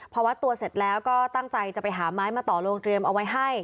พอวัดตัวเสร็จแล้วก็ตั้งใจจะไปหาไม้มาต่อโรงเตรียมเอาไว้ให้